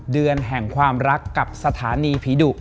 เดือนแห่งความรักกับสถานีผีดุ